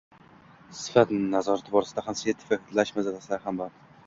— sifat nazorati borasida ham, sertifikatlash masalalarida ham